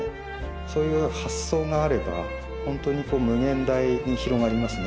そういう発想があればホントに無限大に広がりますね